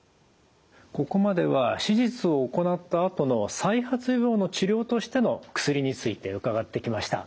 ここまでは手術を行ったあとの再発予防の治療としての薬について伺ってきました。